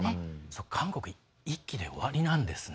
韓国１期で終わりなんですね。